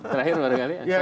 terakhir baru kali ya